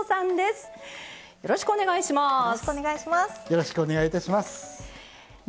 よろしくお願いします。